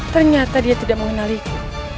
ternyata dia tidak mengenaliku